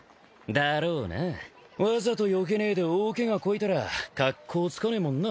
だろうな。わざとよけねえで大ケガこいたら格好つかねえもんな。